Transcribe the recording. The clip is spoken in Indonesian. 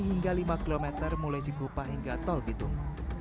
hingga lima km mulai cikupa hingga tol bitung